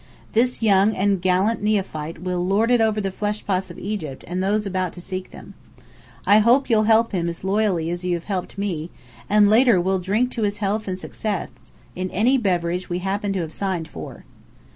This young and gallant neophyte will 'lord' it over the fleshpots of Egypt and those about to seek them. I hope you'll help him as loyally as you have helped me: and later we'll drink to his health and success, in any beverage we happen to have signed for!"